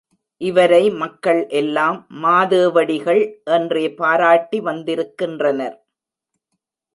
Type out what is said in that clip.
இவரை மக்கள் எல்லாம் மாதேவடிகள் என்றே பாராட்டி வந்திருக்கின்றனர்.